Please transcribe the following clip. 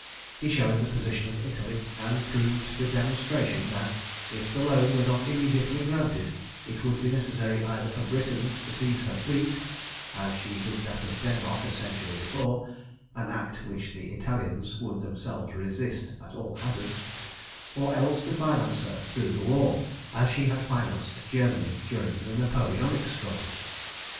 He showed the position of Italy, and proved to demonstration that if the loan were not immediately granted, it would be necessary either for Britain to seize her fleet, as she did that of Denmark a century before an act which the Italians would themselves resist at all hazards or else to finance her through the war, as she had financed Germany during the Napoleonic struggle.